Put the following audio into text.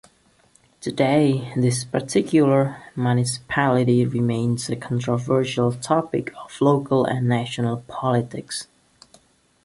Today, this particular municipality remains a controversial topic of local and national politics.